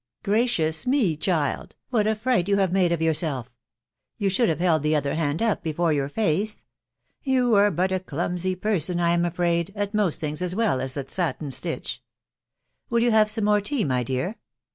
Gracious me, child ! what a fright you have made of yourself !.... you should have held the other hand up before your face. You are but a clumsy person, I am afraid, at most things, as well as at satin stitch. Will you have some more tea. my dear